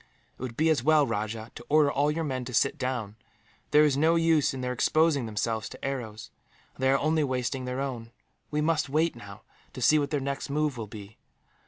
"It would be as well, Rajah, to order all your men to sit down. There is no use in their exposing themselves to the arrows, and they are only wasting their own. We must wait, now, to see what their next move will be.